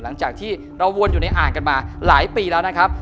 หลังจากที่เราวนอยู่ในอ่างกันมาหลายปีแล้วนะครับ